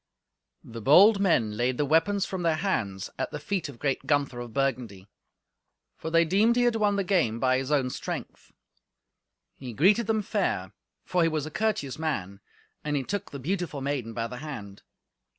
The bold men laid the weapons from their hands at the feet of great Gunther of Burgundy. For they deemed he had won the game by his own strength. He greeted them fair, for he was a courteous man, and he took the beautiful maiden by the hand.